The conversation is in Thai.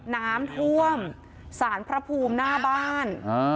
น้ำท่วมสารพระภูมิหน้าบ้าน